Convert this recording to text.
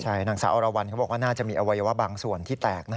ใช่นางสาวอรวรรณเขาบอกว่าน่าจะมีอวัยวะบางส่วนที่แตก